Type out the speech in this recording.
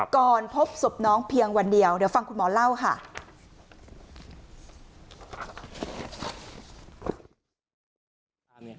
ก่อนพบศพน้องเพียงวันเดียวเดี๋ยวฟังคุณหมอเล่าค่ะ